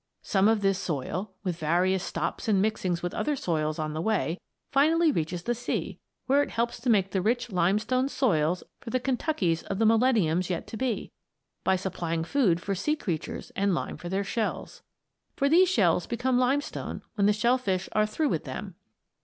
Some of this soil, with various stops and mixings with other soils on the way, finally reaches the sea, where it helps to make the rich limestone soils for the Kentuckies of millenniums yet to be, by supplying food for sea creatures and lime for their shells. For these shells become limestone when the shell fish are through with them.